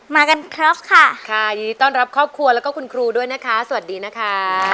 มากันครับค่ะยินดีต้อนรับครอบครัวแล้วก็คุณครูด้วยนะคะสวัสดีนะคะ